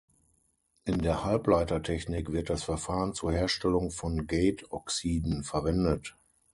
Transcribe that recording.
In der Halbleitertechnik wird das Verfahren zur Herstellung von Gate-Oxiden verwendet.